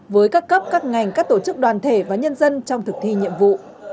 với các cấp các ngành các tổ chức đoàn thể và nhân dân trong thực thi nhiệm vụ